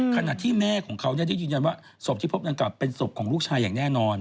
ขณะที่แม่ของเขาได้ยืนยันว่าศพที่พบดังกล่าวเป็นศพของลูกชายอย่างแน่นอน